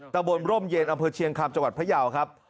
ตะบนร่มเย็นอำเภอเชียงคำจังหวัดพยาวครับ